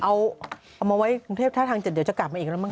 เอามาไว้ถ้าทางเจ็บเดียวจะกลับมาอีกแล้วมั้ง